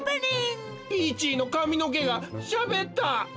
！？ピーチーのかみのけがしゃべった！